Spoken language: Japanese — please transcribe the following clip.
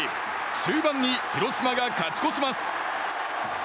終盤に広島が勝ち越します。